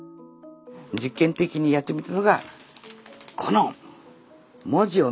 実験的にやってみたのがこの文字を見て下さい！